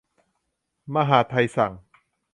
มหาดไทยสั่ง